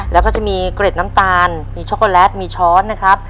แล้วก็จะมีเกร็ดน้ำตาลมีช็อกโกแลตมีช้อนนะครับ